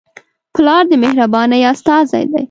پلار د مهربانۍ استازی دی.